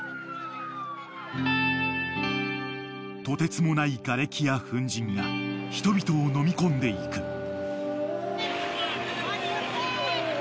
［とてつもないがれきや粉じんが人々をのみ込んでいく］